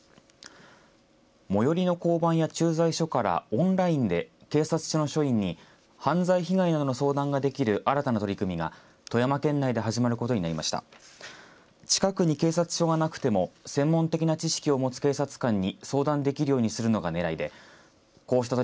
最寄りの交番や駐在所からオンラインで警察署の署員に犯罪被害などの相談ができる新たな取り組みが富山県内で始まることになりました。